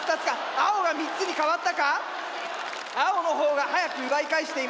青が３つにかわったか⁉青の方がはやく奪い返しています。